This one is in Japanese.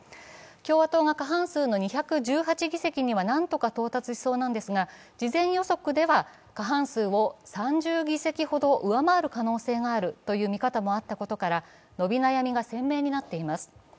共和党が過半数の２１８議席には何とか到達しそうなんですが事前予測では過半数を３０議席ほど上回る可能性があるとの見方もあったことから伸び悩みが鮮明になっています。